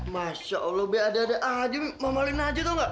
masya allah be ada ada aja mama lina aja tau gak